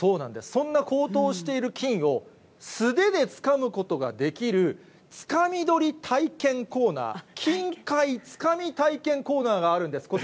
そんな高騰している金を、素手でつかむことができる、つかみ取り体験コーナー、金塊つかみ体験コーナーがあるんです。